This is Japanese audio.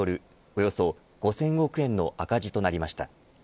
およそ５０００億円の赤字となりました。